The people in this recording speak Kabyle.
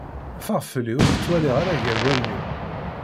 Ffeɣ fell-i ur k-tt waliɣ ara gar wallen-iw.